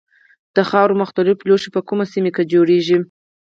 د خاورو مختلف لوښي په کومه سیمه کې جوړیږي.